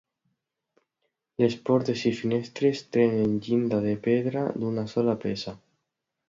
Les portes i finestres tenen llinda de pedra d'una sola peça.